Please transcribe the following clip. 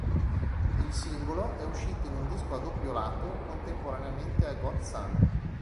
Il singolo è uscito in un disco a doppio lato contemporaneamente a "Got Some".